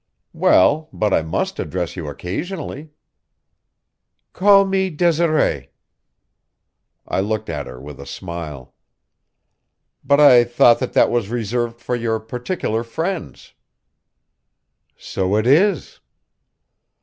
"Well, but I must address you occasionally." "Call me Desiree." I looked at her with a smile. "But I thought that that was reserved for your particular friends." "So it is."